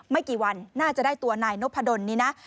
ไม่กี่วันน่าจะได้ตัวนายนพดลนี้นะ